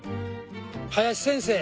林先生。